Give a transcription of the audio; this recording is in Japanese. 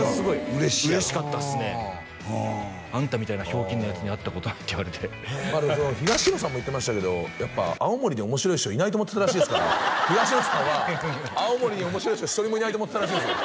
嬉しいやろ「あんたみたいなひょうきんなヤツに会ったことない」って言われてへえ東野さんも言ってましたけどやっぱ青森で面白い人いないって思ってたらしいですから東野さんは青森に面白い人一人もいないと思ってたらしいです